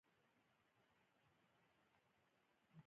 مګر چېرې د دروېش په مهر ياد شي.